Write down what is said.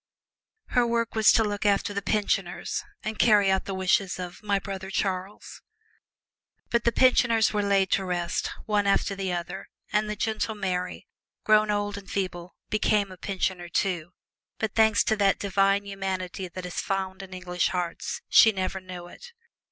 Her work was to look after the "pensioners" and carry out the wishes of "my brother Charles." But the pensioners were laid away to rest, one after the other, and the gentle Mary, grown old and feeble, became a pensioner, too, but thanks to that divine humanity that is found in English hearts, she never knew it.